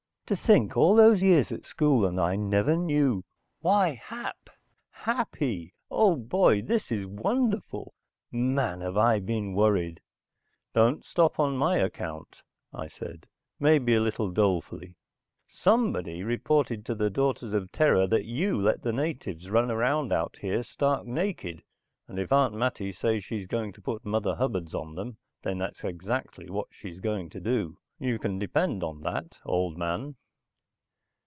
To think, all those years at school, and I never knew. Why, Hap, Happy, old boy, this is wonderful. Man, have I been worried!" "Don't stop on my account," I said, maybe a little dolefully. "Somebody reported to the Daughters of Terra that you let the natives run around out here stark naked, and if Aunt Mattie says she's going to put mother hubbards on them, then that's exactly what she's going to do. You can depend on that, old man."